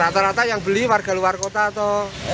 rata rata yang beli warga luar kota atau